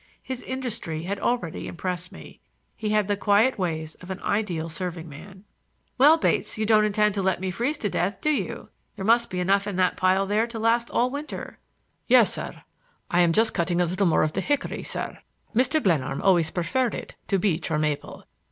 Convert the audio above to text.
His industry had already impressed me. He had the quiet ways of an ideal serving man. "Well, Bates, you don't intend to let me freeze to death, do you? There must be enough in the pile there to last all winter." "Yes, sir; I am just cutting a little more of the hickory, sir. Mr. Glenarm always preferred it to beech or maple.